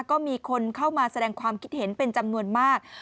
ก็มีคนเข้ามาแสดงความคิดเห็นเป็นจำนวนมาก